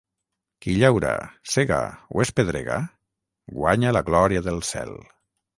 Qui llaura, sega o espedrega guanya la glòria del cel.